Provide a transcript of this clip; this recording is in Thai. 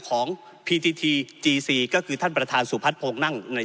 ของพีทีทีจีซีก็คือท่านประธานสุพัฒนภงนั่งใน